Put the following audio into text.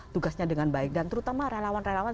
tugasnya dengan baik dan terutama relawan relawan